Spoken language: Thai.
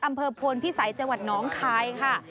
อำเภอพลพิสัยจังหวัดน้องคายค่ะ